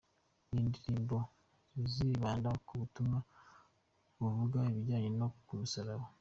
Ni indirimbo zizibanda ku butumwa buvuga ibijyanye no ku musaraba.